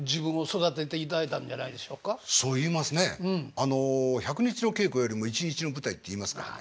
あの「１００日の稽古よりも１日の舞台」って言いますからね。